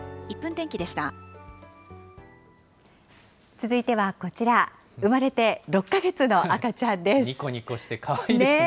続いてはこちら、にこにこしてかわいいですね。